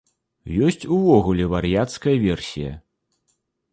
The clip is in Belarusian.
Ёсць увогуле вар'яцкая версія.